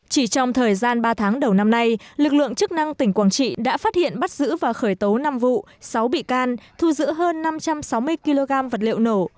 chỉ trong thời gian ba tháng đầu năm nay lực lượng chức năng tỉnh quảng trị đã phát hiện bắt giữ và khởi tố năm vụ sáu bị can thu giữ hơn năm trăm sáu mươi kg vật liệu nổ